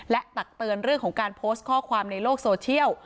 ตักเตือนเรื่องของการโพสต์ข้อความในโลกโซเชียล